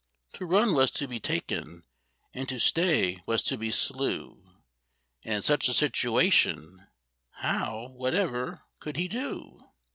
To run was to be taken, and to stay was to be slew— And in such a situation how whatever could he do?